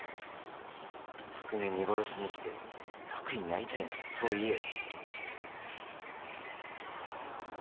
拓海見殺しにして楽になりたいならそう言えよ